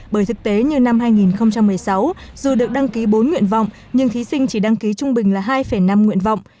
bởi thực tế như năm hai nghìn một mươi sáu dù được đăng ký bốn nguyện vọng nhưng thí sinh chỉ đăng ký trung bình là hai năm nguyện vọng